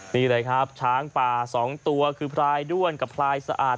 นี่เลยครับช้างป่า๒ตัวคือพลายด้วนกับพลายสะอาด